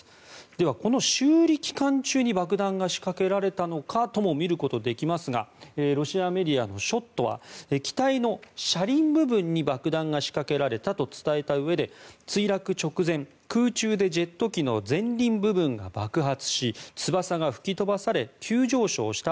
では、この修理期間中に爆弾が仕掛けられたのかともみることができますがロシアメディアのショットは機体の車輪部分に爆弾が仕掛けられたと伝えたうえで墜落直前、空中でジェット機の前輪部分が爆発し翼が吹き飛ばされ急上昇した